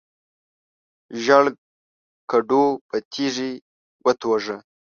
ژیړ کډو په تیږي وتوږه.